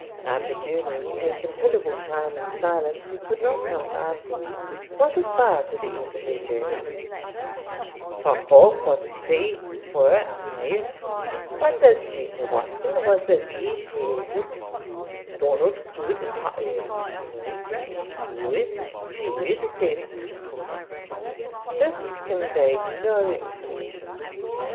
After journeying a considerable time in silence, he could not help asking, 'Was it far to the end of their journey?' 'Ta cove was tree, four mile; but as duinhe wassel was a wee taiglit, Donald could, tat is, might would should send ta curragh.' This conveyed no information.